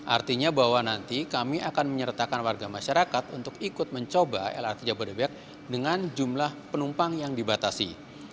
artinya bahwa nanti kami akan menyertakan warga masyarakat untuk ikut mencoba lrt jabodebek dengan jumlah penumpang yang dibatasi